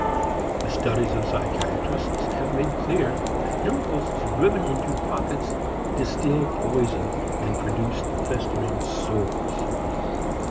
The studies of psychiatrists have made clear that impulses driven into pockets distil poison and produce festering sores.